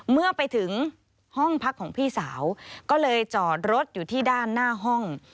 เมื่อไปถึงห้องพักของพี่สาวก็เลยจอดรถอยู่ที่ด้านหน้าห้อง